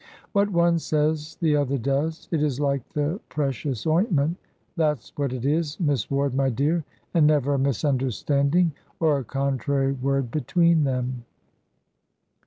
What one says the other does. It is like the precious ointment, that's what it is, Miss Ward, my dear! and never a misunderstanding or a contrary word between them.